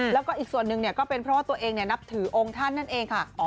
แล้วก็อีกส่วนหนึ่งก็เป็นเพราะว่าตัวเองนับถือองค์ท่านนั่นเองค่ะ